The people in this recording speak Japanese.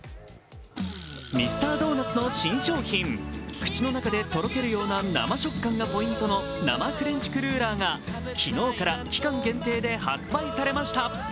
ミスタードーナツの新商品、口の中でとろけるような生食感がポイントの生フレンチクルーラーが昨日から期間限定で発売されました。